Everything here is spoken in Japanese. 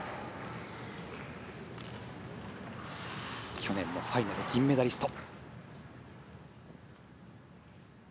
去年のファイナル銀メダリスト。